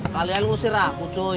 kalian ngusir aku cuy